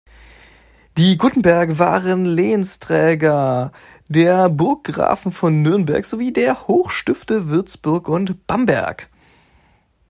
Die Guttenberg waren Lehensträger der Burggrafen von Nürnberg sowie der Hochstifte Würzburg und Bamberg.